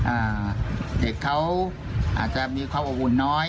อ่าวเด็กเขาอาจจะมีความอุณหวุนน้อย